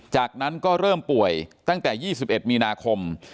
จากนั้นก็เริ่มป่วยตั้งแต่๒๑มีนาคม